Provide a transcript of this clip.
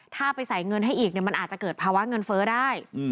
ถ้าไปใส่เงินให้อีกมันอาจจะเกิดภาวะเงินเฟ้อได้